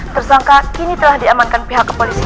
tersangka kini telah diamankan pihak kepolisian